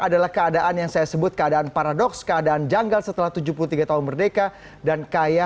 adalah keadaan yang saya sebut keadaan paradoks keadaan janggal setelah tujuh puluh tiga tahun merdeka dan kaya